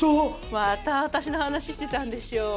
また私の話してたんでしょ。